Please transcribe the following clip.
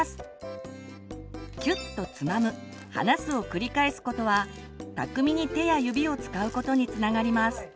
キュッとつまむ離すを繰り返すことは巧みに手や指を使うことにつながります。